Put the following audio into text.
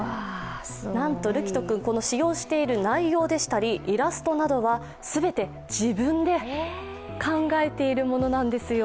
なんと、瑠煌斗君、使用している内容でしたりイラストなどは全て自分で考えているものなんですよ。